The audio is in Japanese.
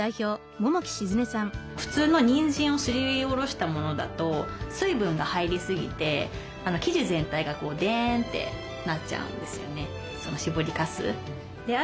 普通のニンジンをすりおろしたものだと水分が入りすぎて生地全体がデーンってなっちゃうんですよね。